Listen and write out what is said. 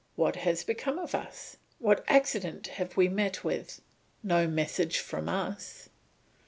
What has become of us? What accident have we met with? No message from us!